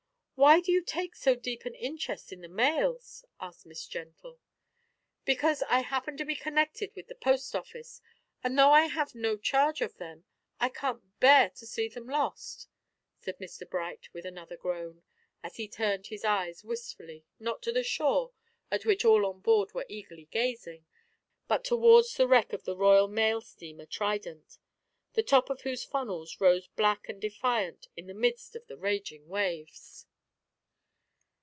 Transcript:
"Why do you take so deep an interest in the mails?" asked Miss Gentle. "Because I happen to be connected with the post office; and though I have no charge of them, I can't bear to see them lost," said Mr Bright with another groan, as he turned his eyes wistfully not to the shore, at which all on board were eagerly gazing but towards the wreck of the Royal Mail steamer Trident, the top of whose funnels rose black and defiant in the midst of the raging waves.